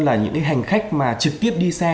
là những hành khách mà trực tiếp đi xe